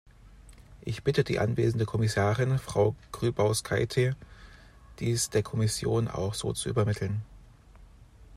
Ich bitte die anwesende Kommissarin, Frau Grybauskaite, dies der Kommission auch so zu übermitteln.